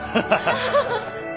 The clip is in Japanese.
ハハハハ。